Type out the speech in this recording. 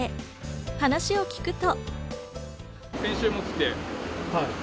話を聞くと。